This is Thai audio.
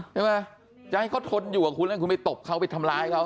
ใช่ไหมจะให้เขาทนอยู่กับคุณแล้วคุณไปตบเขาไปทำร้ายเขา